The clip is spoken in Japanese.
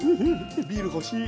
ビール欲しい。